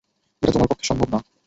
এটা তোমার পক্ষে সম্ভব না।